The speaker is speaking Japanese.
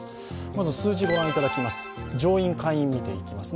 まず数字をご覧いただきます。